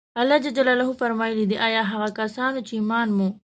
الله جل جلاله فرمایلي دي: اې هغه کسانو چې ایمان مو